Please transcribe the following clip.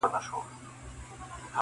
زما د وطن د شهامت او طوفانونو کیسې.